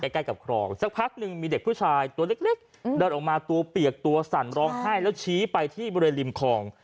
ใกล้กับคลองสักพักหนึ่งมีเด็กผู้ชายตัวเล็กเดินออกมาตัวเปียกตัวสั่นร้องไห้แล้วชี้ไปที่บริเวณริมคลอง